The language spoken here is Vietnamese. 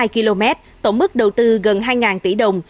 hai km tổng mức đầu tư gần hai tỷ đồng